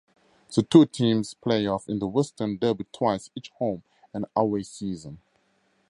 The two teams play off in the Western Derby twice each home-and-away season.